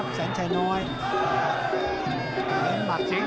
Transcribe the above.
เดินไม่จริง